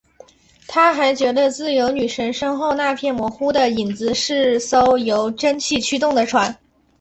他还觉得自由女神身后那片模糊的影子是艘由蒸汽驱动的船。